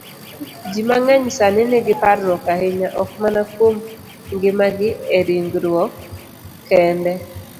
Ji mang'eny sani nigi parruok ahinya, ok mana kuom ngimagi e ringruok kende,